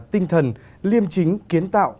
tinh thần liêm chính kiến tạo